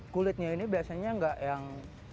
kulitnya ini biasanya nggak yang